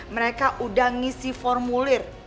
mereka udah ngisi formulir